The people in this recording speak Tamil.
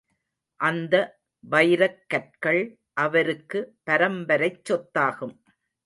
அந்த வைரக் கற்கள் அவருக்கு பரம்பரைச் சொத்தாகும்.